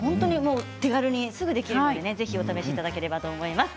手軽にすぐできるのでお試しいただければと思います。